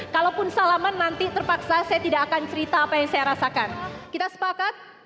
kalaupun salaman nanti terpaksa saya tidak akan cerita apa yang saya rasakan kita sepakat